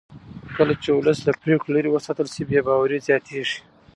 کله چې ولس له پرېکړو لرې وساتل شي بې باوري زیاتېږي